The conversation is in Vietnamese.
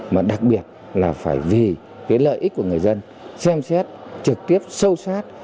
mà đặc biệt là phải vì cái lợi ích của người dân xem xét trực tiếp sâu sát